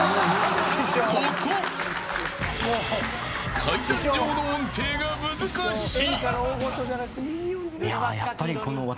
ここ階段状の音程が難しい。